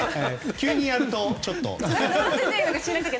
急にやると、ちょっと。